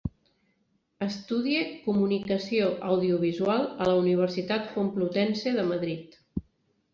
Estudia comunicació audiovisual a la Universitat Complutense de Madrid.